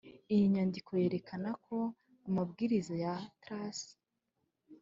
iyi nyandiko yerekana ko amabwiriza ya trac,